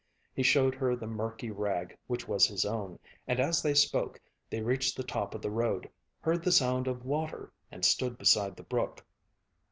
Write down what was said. He showed her the murky rag which was his own; and as they spoke, they reached the top of the road, heard the sound of water, and stood beside the brook.